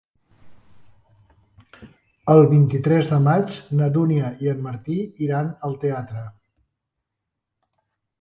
El vint-i-tres de maig na Dúnia i en Martí iran al teatre.